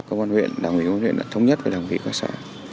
công an huyện đảng huyện công an huyện đã thống nhất với đảng huyện các xã